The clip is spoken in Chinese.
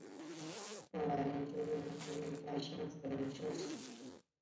后来幽闭在甲府兴因寺。